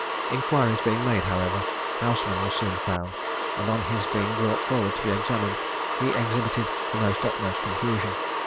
Inquiries being made, however, Houseman was soon found; and on his being brought forward to be examined, he exhibited the utmost confusion.